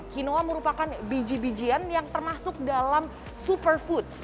quinoa merupakan biji bijian yang termasuk dalam superfoods